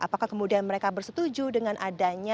apakah kemudian mereka bersetuju dengan adanya